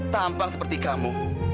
tampang seperti kamu